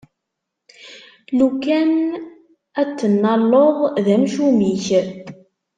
Lukan ad t-tennaleḍ, d amcum-ik!